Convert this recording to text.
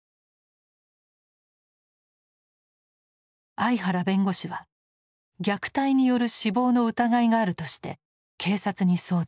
相原弁護士は虐待による死亡の疑いがあるとして警察に相談。